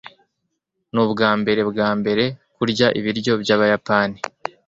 nubwambere bwambere kurya ibiryo byabayapani